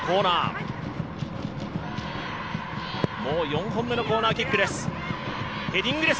もう４本目のコーナーキックです。